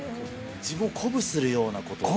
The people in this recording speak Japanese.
自分を鼓舞するようなことを書いて。